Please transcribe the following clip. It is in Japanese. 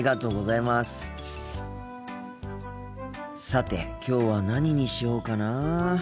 さてきょうは何にしようかなあ。